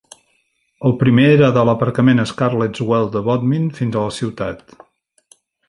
El primer era de l'aparcament Scarlett"s Well de Bodmin fins a la ciutat.